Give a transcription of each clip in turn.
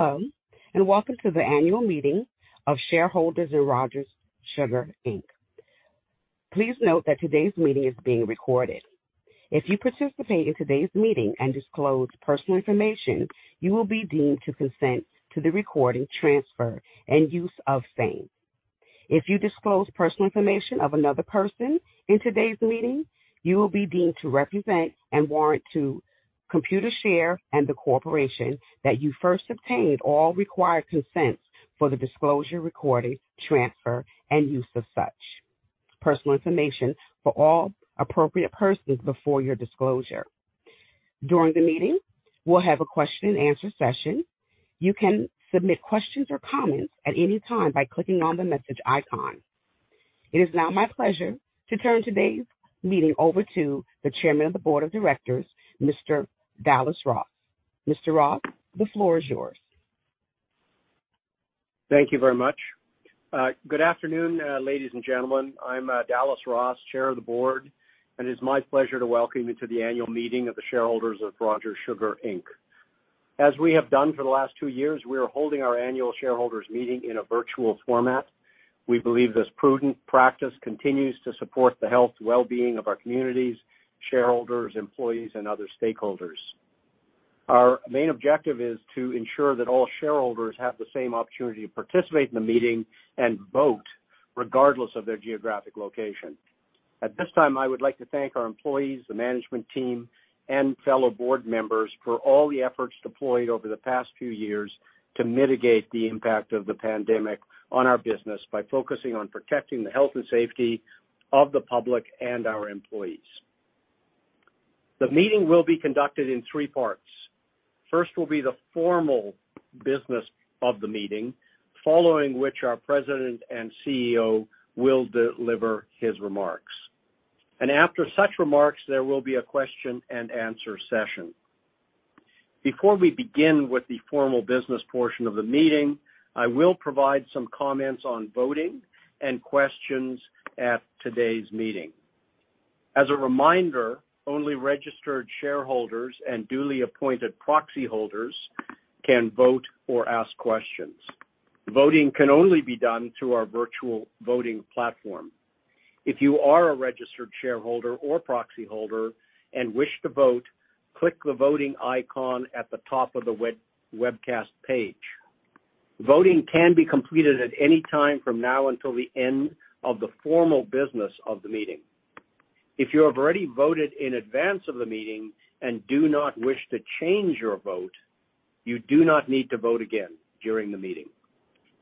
Hello, and welcome to the Annual Meeting of Shareholders in Rogers Sugar Inc. Please note that today's meeting is being recorded. If you participate in today's meeting and disclose personal information, you will be deemed to consent to the recording, transfer, and use of same. If you disclose personal information of another person in today's meeting, you will be deemed to represent and warrant to Computershare and the corporation that you first obtained all required consents for the disclosure, recording, transfer, and use of such personal information for all appropriate persons before your disclosure. During the meeting, we'll have a question and answer session. You can submit questions or comments at any time by clicking on the message icon. It is now my pleasure to turn today's meeting over to the Chairman of the Board of Directors, Mr. Dallas Ross. Mr. Ross, the floor is yours. Thank you very much. Good afternoon, ladies and gentlemen. I'm Dallas Ross, Chair of the Board, and it is my pleasure to welcome you to the annual meeting of the shareholders of Rogers Sugar Inc. As we have done for the last two years, we are holding our annual shareholders meeting in a virtual format. We believe this prudent practice continues to support the health and well-being of our communities, shareholders, employees, and other stakeholders. Our main objective is to ensure that all shareholders have the same opportunity to participate in the meeting and vote regardless of their geographic location. At this time, I would like to thank our employees, the management team, and fellow board members for all the efforts deployed over the past few years to mitigate the impact of the pandemic on our business by focusing on protecting the health and safety of the public and our employees. The meeting will be conducted in three parts. First will be the formal business of the meeting, following which our President and CEO will deliver his remarks. After such remarks, there will be a question-and-answer session. Before we begin with the formal business portion of the meeting, I will provide some comments on voting and questions at today's meeting. As a reminder, only registered shareholders and duly appointed proxy holders can vote or ask questions. Voting can only be done through our virtual voting platform. If you are a registered shareholder or proxy holder and wish to vote, click the voting icon at the top of the webcast page. Voting can be completed at any time from now until the end of the formal business of the meeting. If you have already voted in advance of the meeting and do not wish to change your vote, you do not need to vote again during the meeting.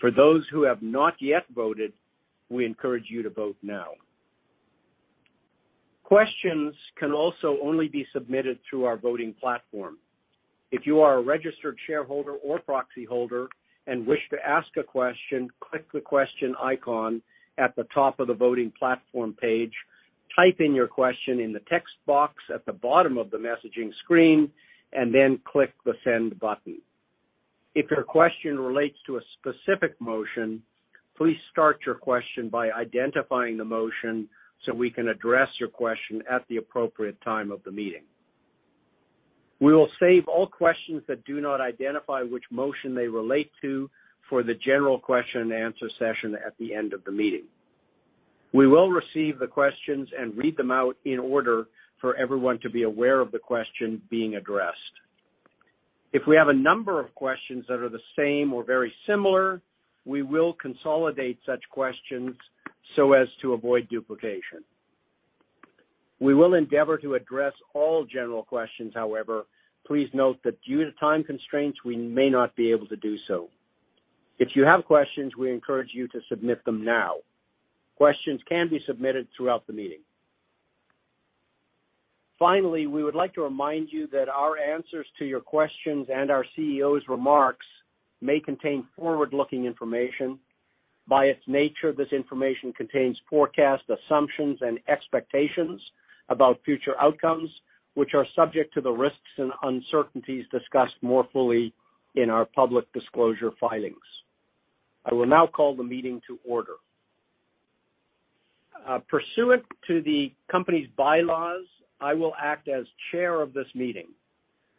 For those who have not yet voted, we encourage you to vote now. Questions can also only be submitted through our voting platform. If you are a registered shareholder or proxy holder and wish to ask a question, click the question icon at the top of the voting platform page, type in your question in the text box at the bottom of the messaging screen, and then click the Send button. If your question relates to a specific motion, please start your question by identifying the motion so we can address your question at the appropriate time of the meeting. We will save all questions that do not identify which motion they relate to for the general question and answer session at the end of the meeting. We will receive the questions and read them out in order for everyone to be aware of the question being addressed. If we have a number of questions that are the same or very similar, we will consolidate such questions so as to avoid duplication. We will endeavor to address all general questions. However, please note that due to time constraints, we may not be able to do so. If you have questions, we encourage you to submit them now. Questions can be submitted throughout the meeting. Finally, we would like to remind you that our answers to your questions and our CEO's remarks may contain forward-looking information. By its nature, this information contains forecast assumptions and expectations about future outcomes, which are subject to the risks and uncertainties discussed more fully in our public disclosure filings. I will now call the meeting to order. Pursuant to the company's bylaws, I will act as chair of this meeting.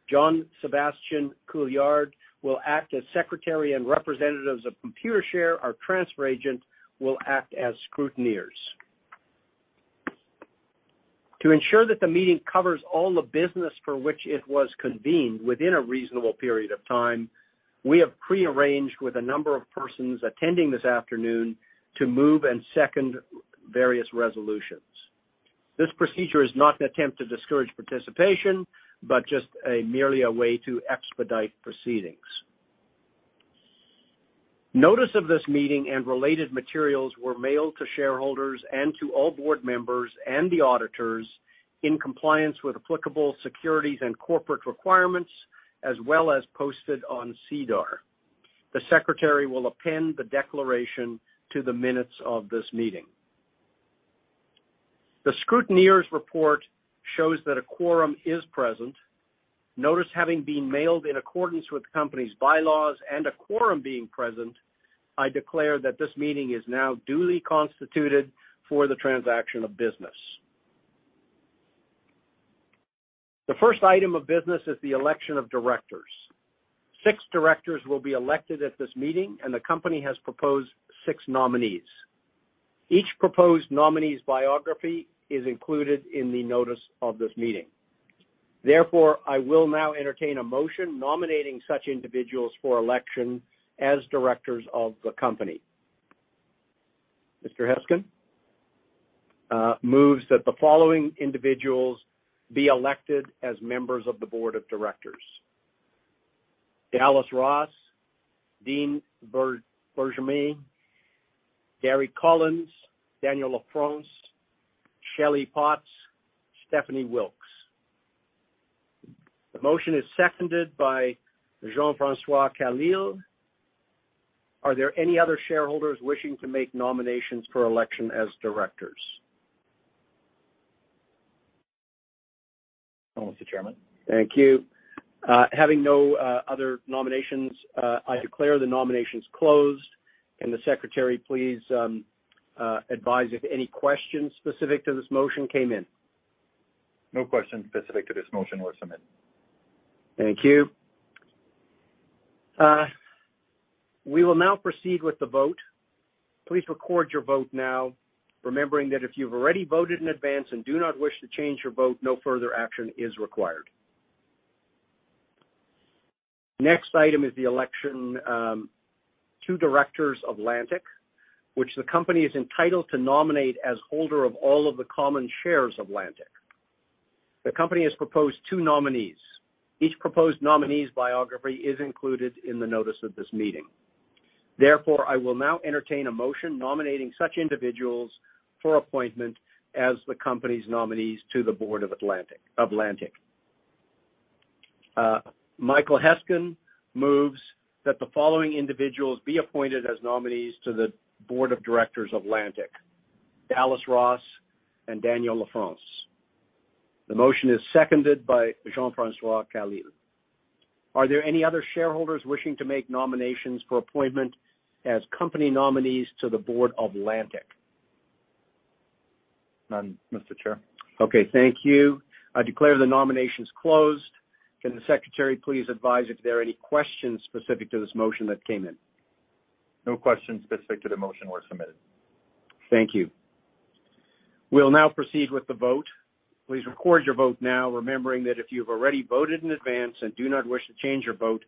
Jean-Sébastien Couillard will act as secretary and representatives of Computershare, our transfer agent, will act as scrutineers. To ensure that the meeting covers all the business for which it was convened within a reasonable period of time, we have prearranged with a number of persons attending this afternoon to move and second various resolutions. This procedure is not an attempt to discourage participation, but just merely a way to expedite proceedings. Notice of this meeting and related materials were mailed to shareholders and to all board members and the auditors in compliance with applicable securities and corporate requirements, as well as posted on SEDAR. The secretary will append the declaration to the minutes of this meeting. The scrutineer's report shows that a quorum is present. Notice having been mailed in accordance with the company's bylaws and a quorum being present, I declare that this meeting is now duly constituted for the transaction of business. The first item of business is the election of directors. Six directors will be elected at this meeting, and the company has proposed six nominees. Each proposed nominee's biography is included in the notice of this meeting. Therefore, I will now entertain a motion nominating such individuals for election as directors of the company. Mr. Heskin moves that the following individuals be elected as members of the board of directors. Dallas Ross, Dean Bergmame, Gary Collins, Daniel Lafrance, Shelley Potts, Stephanie Wilkes. The motion is seconded by Jean-François Khalil. Are there any other shareholders wishing to make nominations for election as directors? No, Mr. Chairman. Thank you. Having no other nominations, I declare the nominations closed. Can the secretary please advise if any questions specific to this motion came in? No questions specific to this motion were submitted. Thank you. We will now proceed with the vote. Please record your vote now, remembering that if you've already voted in advance and do not wish to change your vote, no further action is required. Next item is the election of two directors of Lantic, which the company is entitled to nominate as holder of all of the common shares of Lantic. The company has proposed two nominees. Each proposed nominee's biography is included in the notice of this meeting. Therefore, I will now entertain a motion nominating such individuals for appointment as the company's nominees to the board of Lantic. Michael Heskin moves that the following individuals be appointed as nominees to the board of directors of Lantic, Dallas Ross and Daniel Lafrance. The motion is seconded by Jean-François Khalil. Are there any other shareholders wishing to make nominations for appointment as company nominees to the board of Lantic? None, Mr. Chair. Okay, thank you. I declare the nominations closed. Can the secretary please advise if there are any questions specific to this motion that came in? No questions specific to the motion were submitted. Thank you. We'll now proceed with the vote. Please record your vote now, remembering that if you've already voted in advance and do not wish to change your vote,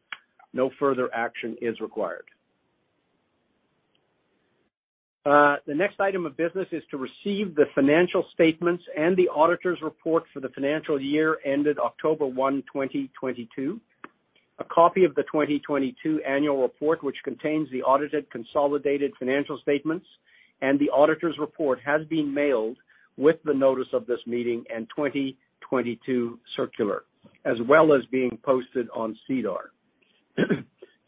no further action is required. The next item of business is to receive the financial statements and the auditor's report for the financial year ended October 1, 2022. A copy of the 2022 annual report, which contains the audited consolidated financial statements and the auditor's report, has been mailed with the notice of this meeting and 2022 circular, as well as being posted on SEDAR.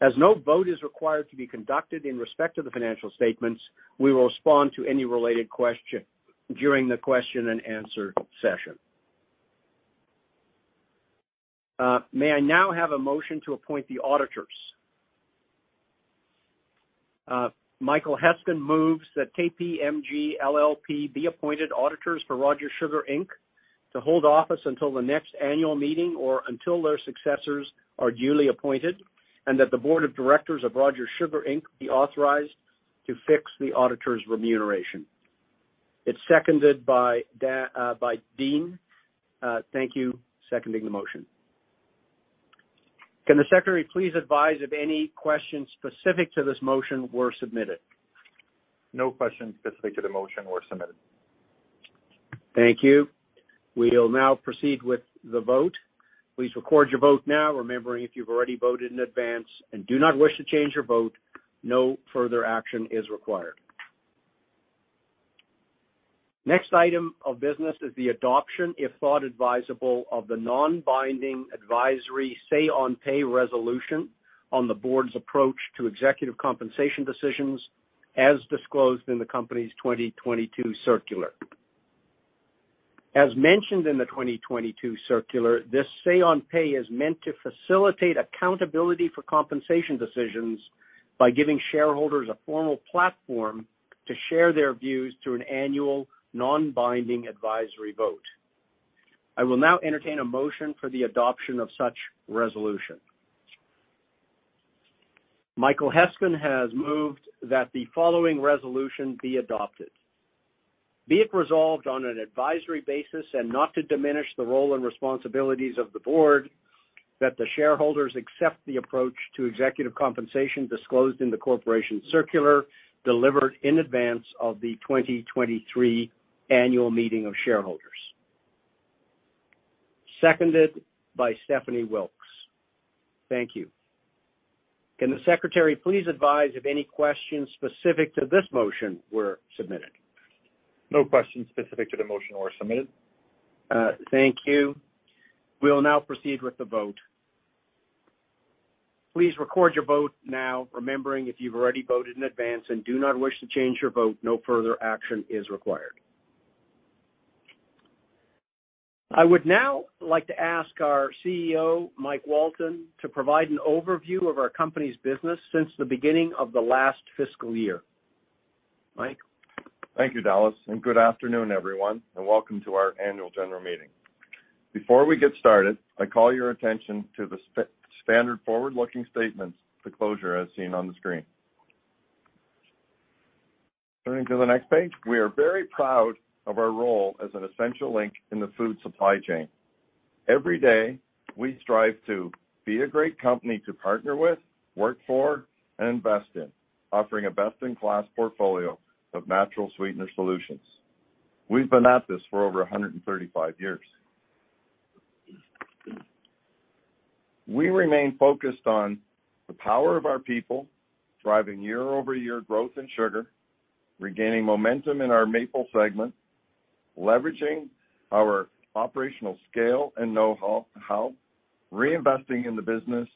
As no vote is required to be conducted in respect to the financial statements, we will respond to any related question during the question and answer session. May I now have a motion to appoint the auditors? Michael Heskin moves that KPMG LLP be appointed auditors for Rogers Sugar Inc. To hold office until the next annual meeting or until their successors are duly appointed, and that the board of directors of Rogers Sugar Inc. be authorized to fix the auditors' remuneration. It's seconded by Dean. Thank you. Seconding the motion. Can the secretary please advise if any questions specific to this motion were submitted? No questions specific to the motion were submitted. Thank you. We'll now proceed with the vote. Please record your vote now, remembering if you've already voted in advance and do not wish to change your vote, no further action is required. Next item of business is the adoption, if thought advisable, of the non-binding advisory Say-on-Pay resolution on the board's approach to executive compensation decisions as disclosed in the company's 2022 circular. As mentioned in the 2022 circular, this Say-on-Pay is meant to facilitate accountability for compensation decisions by giving shareholders a formal platform to share their views through an annual non-binding advisory vote. I will now entertain a motion for the adoption of such resolution. Michael Heskin has moved that the following resolution be adopted. Be it resolved on an advisory basis and not to diminish the role and responsibilities of the board, that the shareholders accept the approach to executive compensation disclosed in the corporation circular delivered in advance of the 2023 annual meeting of shareholders. Seconded by Stephanie Wilkes. Thank you. Can the secretary please advise if any questions specific to this motion were submitted? No questions specific to the motion were submitted. Thank you. We'll now proceed with the vote. Please record your vote now, remembering if you've already voted in advance and do not wish to change your vote, no further action is required. I would now like to ask our CEO, Mike Walton, to provide an overview of our company's business since the beginning of the last fiscal year. Mike? Thank you, Dallas, and good afternoon, everyone, and welcome to our annual general meeting. Before we get started, I call your attention to the standard forward-looking statements disclosure as seen on the screen. Turning to the next page. We are very proud of our role as an essential link in the food supply chain. Every day, we strive to be a great company to partner with, work for, and invest in, offering a best-in-class portfolio of natural sweetener solutions. We've been at this for over 135 years. We remain focused on the power of our people, driving year-over-year growth in sugar, regaining momentum in our Maple segment, leveraging our operational scale and know-how, reinvesting in the business,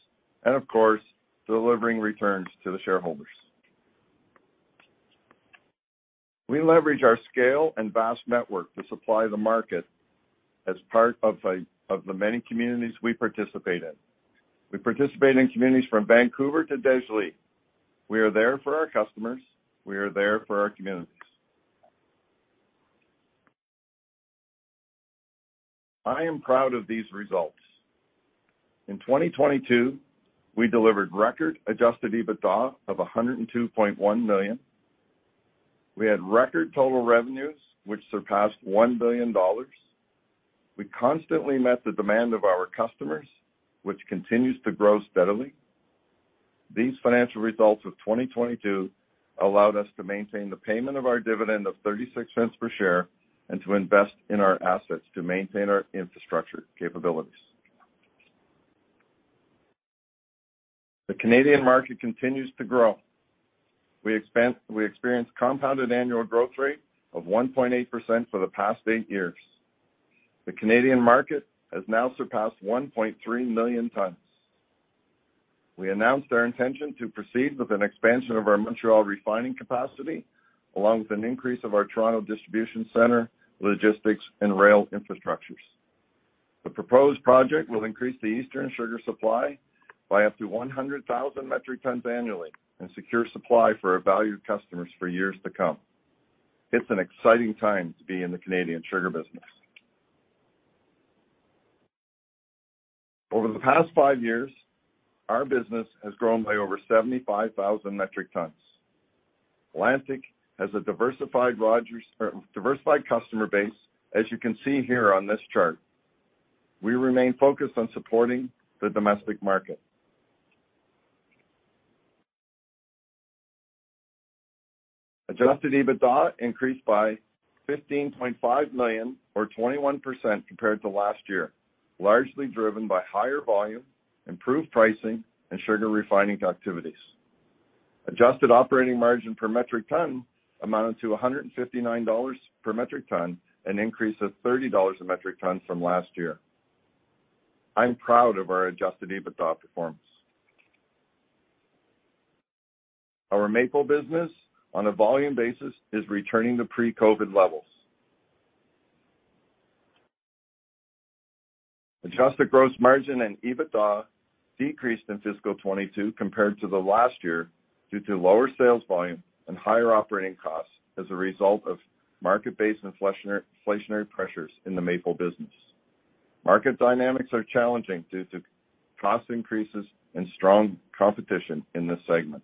and of course, delivering returns to the shareholders. We leverage our scale and vast network to supply the market as part of the many communities we participate in. We participate in communities from Vancouver to Dégelis. We are there for our customers. We are there for our communities. I am proud of these results. In 2022, we delivered record Adjusted EBITDA of 102.1 million. We had record total revenues, which surpassed 1 billion dollars. We constantly met the demand of our customers, which continues to grow steadily. These financial results of 2022 allowed us to maintain the payment of our dividend of 0.36 per share and to invest in our assets to maintain our infrastructure capabilities. The Canadian market continues to grow. We experienced compounded annual growth rate of 1.8% for the past eight years. The Canadian market has now surpassed 1.3 million tons. We announced our intention to proceed with an expansion of our Montreal refining capacity, along with an increase of our Toronto distribution center, logistics, and rail infrastructures. The proposed project will increase the Eastern sugar supply by up to 100,000 metric tons annually and secure supply for our valued customers for years to come. It's an exciting time to be in the Canadian sugar business. Over the past five years, our business has grown by over 75,000 metric tons. Lantic has a diversified customer base, as you can see here on this chart. We remain focused on supporting the domestic market. Adjusted EBITDA increased by 15.5 million or 21% compared to last year, largely driven by higher volume, improved pricing, and sugar refining activities. Adjusted operating margin per metric ton amounted to 159 dollars per metric ton, an increase of 30 dollars per metric ton from last year. I'm proud of our Adjusted EBITDA performance. Our Maple business, on a volume basis, is returning to pre-COVID levels. Adjusted gross margin and EBITDA decreased in fiscal 2022 compared to the last year due to lower sales volume and higher operating costs as a result of market-based inflationary pressures in the maple business. Market dynamics are challenging due to cost increases and strong competition in this segment.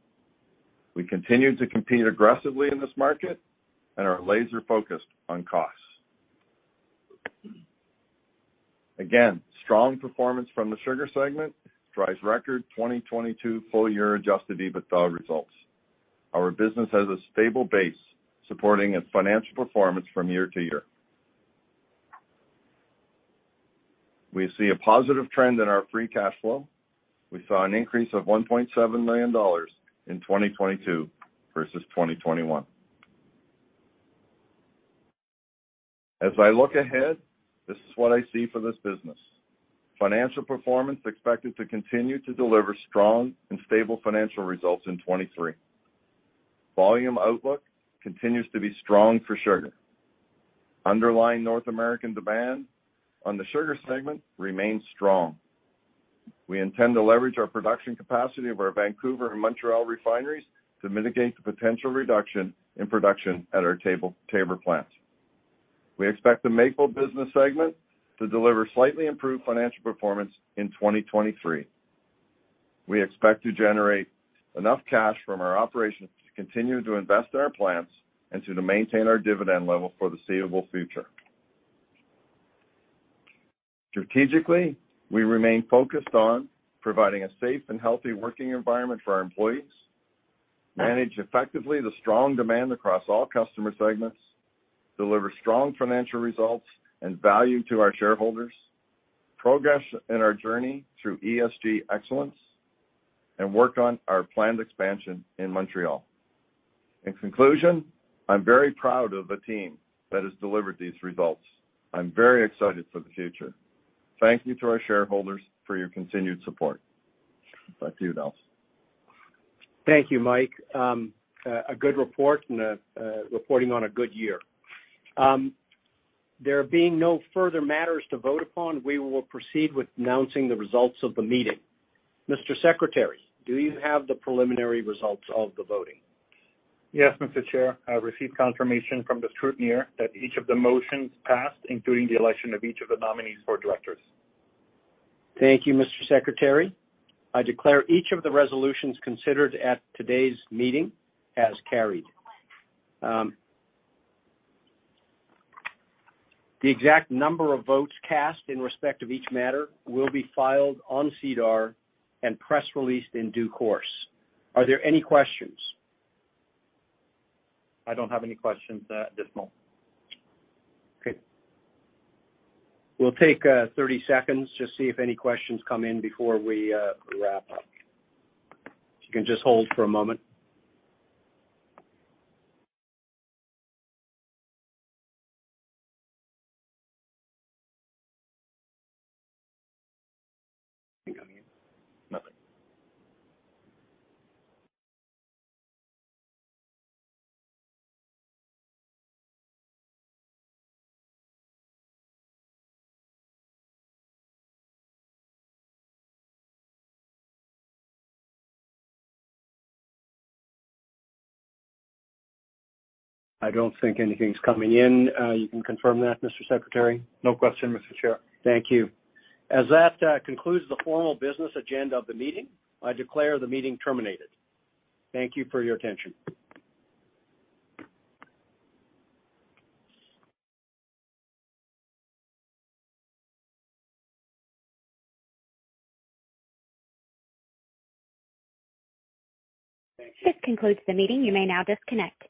We continue to compete aggressively in this market and are laser-focused on costs. Again, strong performance from the Sugar segment drives record 2022 full year Adjusted EBITDA results. Our business has a stable base supporting its financial performance from year to year. We see a positive trend in our free cash flow. We saw an increase of 1.7 million dollars in 2022 versus 2021. As I look ahead, this is what I see for this business. Financial performance expected to continue to deliver strong and stable financial results in 2023. Volume outlook continues to be strong for sugar. Underlying North American demand on the Sugar segment remains strong. We intend to leverage our production capacity of our Vancouver and Montreal refineries to mitigate the potential reduction in production at our Taber plants. We expect the maple business segment to deliver slightly improved financial performance in 2023. We expect to generate enough cash from our operations to continue to invest in our plants and to maintain our dividend level for the foreseeable future. Strategically, we remain focused on providing a safe and healthy working environment for our employees, manage effectively the strong demand across all customer segments, deliver strong financial results and value to our shareholders, progress in our journey through ESG excellence, and work on our planned expansion in Montreal. In conclusion, I'm very proud of the team that has delivered these results. I'm very excited for the future. Thank you to our shareholders for your continued support. Back to you, Dallas. Thank you, Mike. A good report and reporting on a good year. There being no further matters to vote upon, we will proceed with announcing the results of the meeting. Mr. Secretary, do you have the preliminary results of the voting? Yes, Mr. Chair. I received confirmation from the scrutineer that each of the motions passed, including the election of each of the nominees for directors. Thank you, Mr. Secretary. I declare each of the resolutions considered at today's meeting as carried. The exact number of votes cast in respect of each matter will be filed on SEDAR and press released in due course. Are there any questions? I don't have any questions at this moment. Okay. We'll take 30 seconds to see if any questions come in before we wrap up. If you can just hold for a moment. Nothing. I don't think anything's coming in. You can confirm that, Mr. Secretary. No question, Mr. Chair. Thank you. As that concludes the formal business agenda of the meeting, I declare the meeting terminated. Thank you for your attention. Thank you. This concludes the meeting. You may now disconnect.